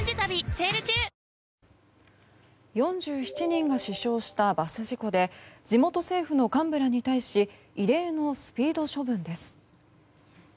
４７人が死傷したバス事故で地元政府の幹部らに対し異例のスピード処分です。